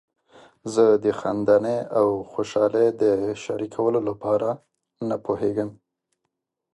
زه د خندنۍ او خوشحالۍ د شریکولو لپاره نه پوهیږم.